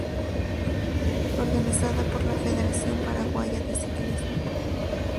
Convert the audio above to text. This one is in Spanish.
Organizada por la Federación Paraguaya de Ciclismo.